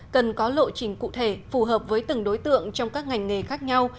cần có lộ trình cụ thể phù hợp với từng đối tượng trong các ngành nghề khác nhau